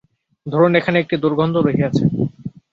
ধরুন এখানে একটি দুর্গন্ধ রহিয়াছে।